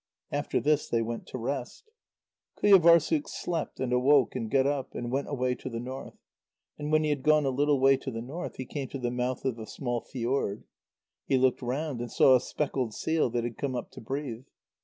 After this, they went to rest. Qujâvârssuk slept, and awoke, and got up, and went away to the north. And when he had gone a little way to the north, he came to the mouth of a small fjord. He looked round and saw a speckled seal that had come up to breathe.